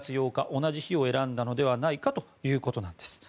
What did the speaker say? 同じ日を選んだのではないかということです。